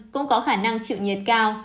cũng có khả năng chịu nhiệt cao